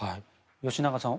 吉永さん